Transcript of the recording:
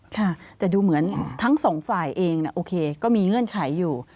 ค่ะแต่ดูเหมือนทั้งสองฝ่ายเองโอเคก็มีเงื่อนไขอยู่